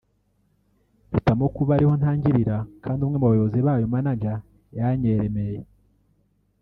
Mpitamo kuba ari ho ntangirira kdi umwe mu bayobozi bayo (manager) yanyeremeye